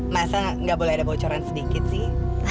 masa nggak boleh ada bocoran sedikit sih